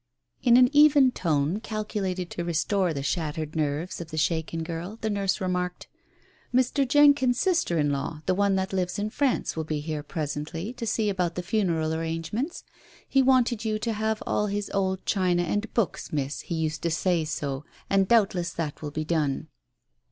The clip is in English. ... In an even tone, calculated to restore the shattered nerves of the shaken girl, the nurse remarked — "Mr. Jenkyns' sister in law, the one that lives in France, will be here presently, to see about the funeral arrangements. He wanted you to have all his old china and books, Miss, he used to say so, and doubtless that will be done.